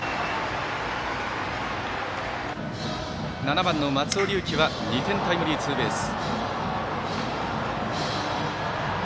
７番の松尾龍樹は２点タイムリーツーベース。